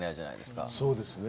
そうですね。